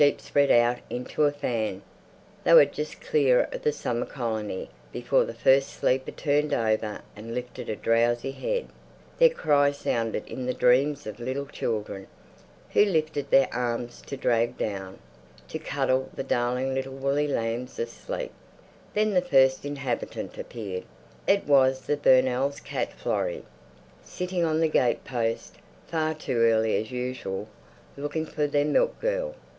The sheep spread out into a fan. They were just clear of the summer colony before the first sleeper turned over and lifted a drowsy head; their cry sounded in the dreams of little children... who lifted their arms to drag down, to cuddle the darling little woolly lambs of sleep. Then the first inhabitant appeared; it was the Burnells' cat Florrie, sitting on the gatepost, far too early as usual, looking for their milk girl.